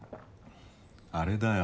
あれだよ。